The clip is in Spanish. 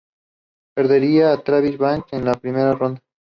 Perdería ante Travis Banks en la primera ronda.